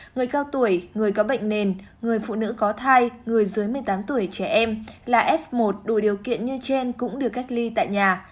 người cao tuổi người có bệnh nền người phụ nữ có thai người dưới một mươi tám tuổi trẻ em là f một đủ điều kiện như trên cũng được cách ly tại nhà